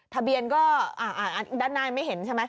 ทะเบียนก็อ่าอ่าด้านในไม่เห็นใช่ไหม